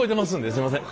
すいません。